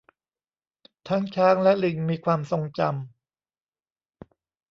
ทั้งช้างและลิงมีความทรงจำ